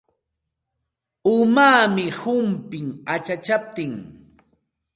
Umaami humpin achachaptin.